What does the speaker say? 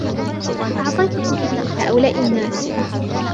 أعطيت كتبي لهؤلاء الناس.